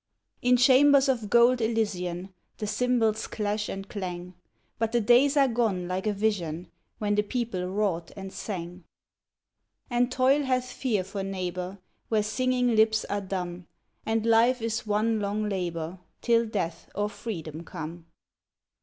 In chambers of gold elysian, The cymbals clash and clang, But the days are gone like a vision When the people wrought and sang. And toil hath fear for neighbour. Where singing lips are dumb. And life is one long labour. Till death or freedom come.